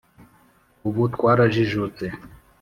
ubu twarajijutse